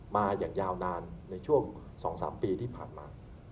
มาอย่างยาวนานในช่วง๒๓ปีที่ผ่านมา